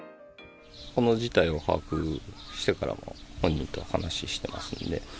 この事態を把握してからも、本人と話してますんで。